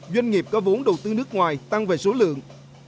doanh nghiệp có vốn đầu tư nước ngoài tăng về số lượng